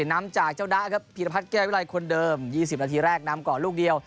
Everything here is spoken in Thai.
นำจากเจ้าด๊ะครับพีรพัฒน์แก้ววิรัยคนเดิม๒๐นาทีแรกนำก่อนลูกเดียว